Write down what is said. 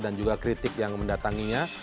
dan juga kritik yang mendatanginya